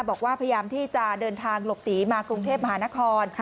บอกว่าพยายามที่จะเดินทางหลบหนีมากรุงเทพมหานคร